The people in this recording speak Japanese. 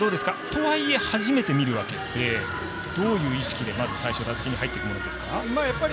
とはいえ初めて見るわけでどういう意識で最初打席に入っていくものですか。